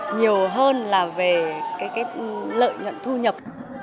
nhiều hơn là về cái lợi nhận thu nhập